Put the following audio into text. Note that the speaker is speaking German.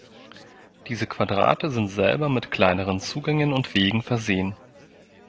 Diese Quadrate sind selber mit kleineren Zugängen und Wegen versehen.